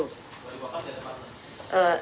bagaimana kalau tidak ada partner